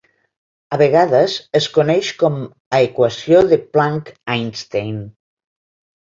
A vegades es coneix com a equació de Planck-Einstein.